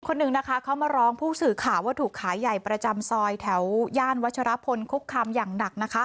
คนหนึ่งนะคะเขามาร้องผู้สื่อข่าวว่าถูกขายใหญ่ประจำซอยแถวย่านวัชรพลคุกคำอย่างหนักนะคะ